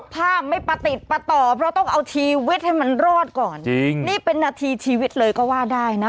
ภาพไม่ประติดประต่อเพราะต้องเอาชีวิตให้มันรอดก่อนจริงนี่เป็นนาทีชีวิตเลยก็ว่าได้นะ